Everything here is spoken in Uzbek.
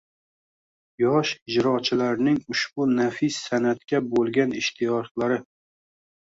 yosh ijrochilarning ushbu nafis san’atga bo‘lgan ishtiyoqlari